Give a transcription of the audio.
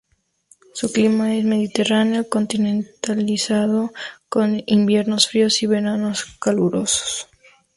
Su clima es mediterráneo continentalizado, con inviernos fríos y veranos calurosos.